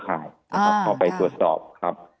เป็นยืนห้อไปตรวจสอบ